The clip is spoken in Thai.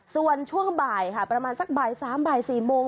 ส่วนช่วงบ่ายประมาณสักบ่าย๓๔โมง